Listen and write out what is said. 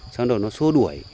xong rồi nó xô đuổi